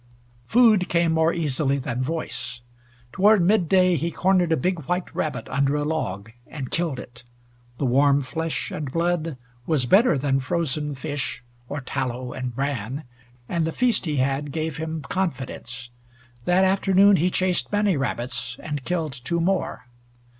Food came more easily than voice. Toward midday he cornered a big white rabbit under a log, and killed it. The warm flesh and blood was better than frozen fish, or tallow and bran, and the feast he had gave him confidence. That afternoon he chased many rabbits, and killed two more.